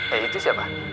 e itu siapa